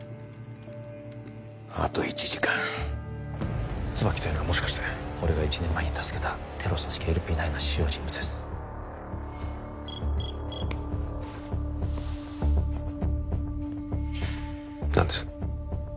あと１時間椿というのはもしかして俺が一年前に助けたテロ組織ＬＰ９の主要人物です何です？